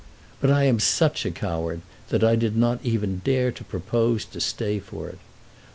But I am such a coward that I did not even dare to propose to stay for it.